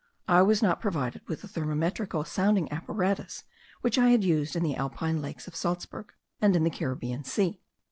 I was not provided with the thermometrical sounding apparatus which I had used in the Alpine lakes of Salzburg, and in the Caribbean Sea.